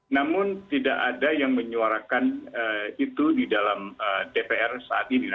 namun tidak ada yang menyuarakan itu di dalam dpr saat ini